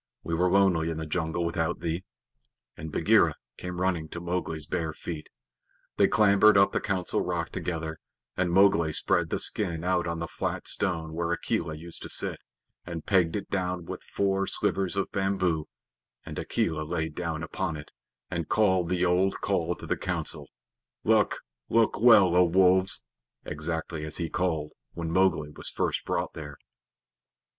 "We were lonely in the jungle without thee," and Bagheera came running to Mowgli's bare feet. They clambered up the Council Rock together, and Mowgli spread the skin out on the flat stone where Akela used to sit, and pegged it down with four slivers of bamboo, and Akela lay down upon it, and called the old call to the Council, "Look look well, O Wolves," exactly as he had called when Mowgli was first brought there.